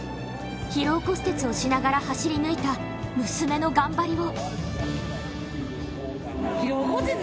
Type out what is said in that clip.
疲労骨折をしながら走り抜いた娘の頑張りを。